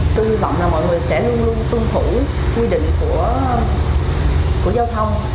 tôi hy vọng là mọi người sẽ luôn luôn tuân thủ quy định của giao thông